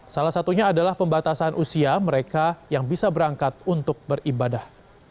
salah satunya adalah pembatasan usia mereka yang bisa berangkat untuk beribadah